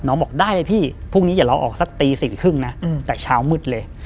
น้องบอกได้พี่พรุ่งนี้อย่าเราออกสักตีสี่ครึ่งนะอืมแต่เช้ามืดเลย